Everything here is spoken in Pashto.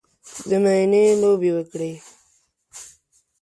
د میینې لوبې وکړې